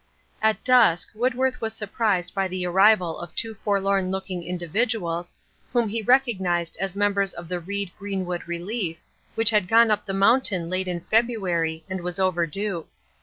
At dusk, Woodworth was surprised by the arrival of two forlorn looking individuals, whom he recognized as members of the Reed Greenwood Relief, which had gone up the mountain late in February and was overdue.